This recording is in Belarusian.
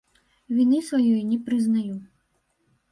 Віны сваёй не прызнаю.